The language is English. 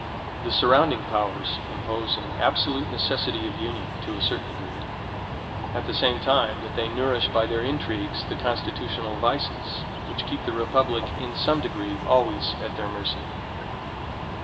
The surrounding powers impose an absolute necessity of union to a certain degree, at the same time that they nourish by their intrigues the constitutional vices which keep the republic in some degree always at their mercy.